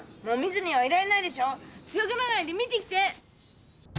もう見ずにはいられないでしょう？強がらないで見てきて！